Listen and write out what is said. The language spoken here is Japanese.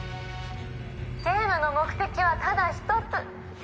ゲームの目的はただ一つ。